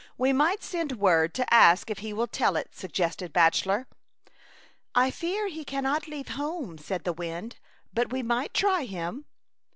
We might send word to ask if he will tell it," sug gested Bachelor. '' I fear he cannot leave home," said the wind, "but we might try him."